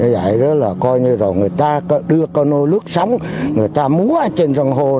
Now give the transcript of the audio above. vậy là coi như là người ta đưa con ô lướt sống người ta múa trên răng hô